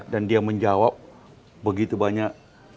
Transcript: dan dia menjawab begitu banyak